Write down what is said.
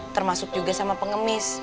termasuk juga sama pengemis